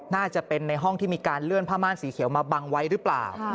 น่าจะเป็นในห้องที่มีการเลื่อนผ้าม่านสีเขียวมาบังไว้หรือเปล่า